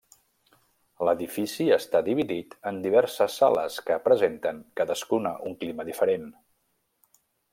L'edifici està dividit en diverses sales que presenten cadascuna un clima diferent.